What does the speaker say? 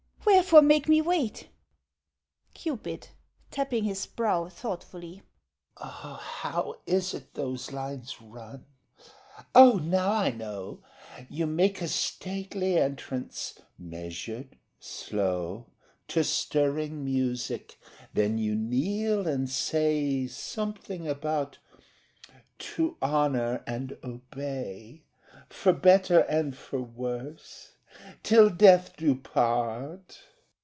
Wherefore make me wait? CUPID (tapping his brow, thoughtfully) How is it those lines run—oh, now I know; You make a stately entrance—measured—slow— To stirring music, then you kneel and say Something about—to honour and obey— For better and for worse—till death do part.